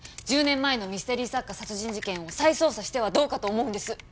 １０年前のミステリー作家殺人事件を再捜査してはどうかと思うんです。